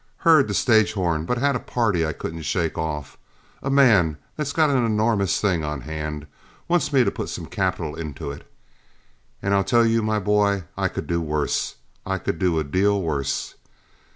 Heard the stage horn, but had a party I couldn't shake off man that's got an enormous thing on hand wants me to put some capital into it and I tell you, my boy, I could do worse, I could do a deal worse.